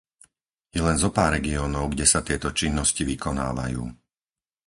Je len zopár regiónov, kde sa tieto činnosti vykonávajú.